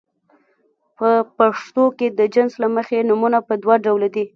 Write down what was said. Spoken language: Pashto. په پښتو کې د جنس له مخې نومونه په دوه ډوله دي.